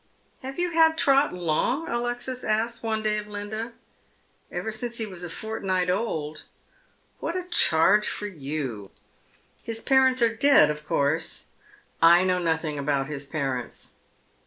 " Have you had Trot long ?" Alexis asks one day of Linda. " Ever since he was a fortnight old." *' What a charge for j'ou ! His parents are dead, of course?" " I know nothing about his parents."